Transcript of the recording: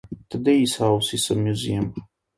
Today it houses a museum.